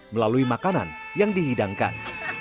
melalui makanan yang dihidangkan